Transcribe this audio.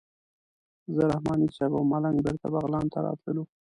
زه رحماني صیب او ملنګ بېرته بغلان ته راتللو.